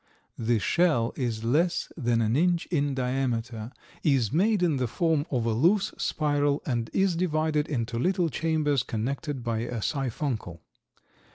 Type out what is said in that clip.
The shell is less than an inch in diameter, is made in the form of a loose spiral and is divided into little chambers connected by a siphuncle.